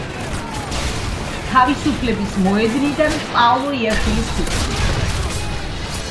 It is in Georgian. თავისუფლების მოედნიდან პაოლო იაშვილის ქუჩამდე.